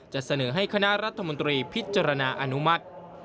จะเสนอให้คณะรัฐมนตรีพิจารณาอนุมัติ